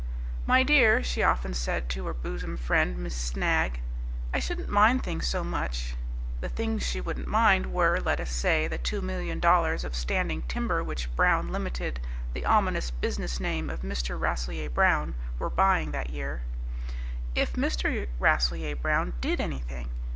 "My dear," she often said to her bosom friend, Miss Snagg, "I shouldn't mind things so much" (the things she wouldn't mind were, let us say, the two million dollars of standing timber which Brown Limited, the ominous business name of Mr. Rasselyer Brown, were buying that year) "if Mr. Rasselyer Brown did anything.